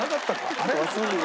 あれ？